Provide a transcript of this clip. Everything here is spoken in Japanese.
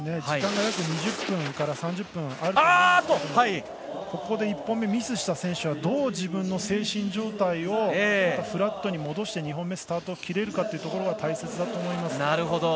時間が約２０分から３０分あると思うんですがここで１本目ミスした選手はどう自分の精神状態をフラットに戻して２本目スタートを切れるかが大切だと思います。